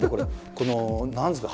この何ですか？